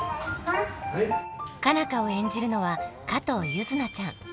佳奈花を演じるのは加藤柚凪ちゃん。